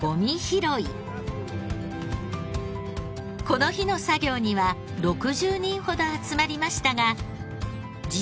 この日の作業には６０人ほど集まりましたが。